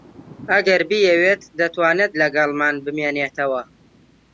ئەگەر بیەوێت دەتوانێت لەگەڵمان بمێنێتەوە.